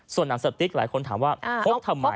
ส่วนหนังสติ๊กหลายคนถามว่าพกทำไม